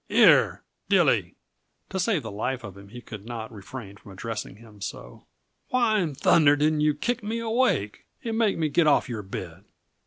"Here, Dilly" to save the life of him he could not refrain from addressing him so "why in thunder didn't yuh kick me awake, and make me get off your bed?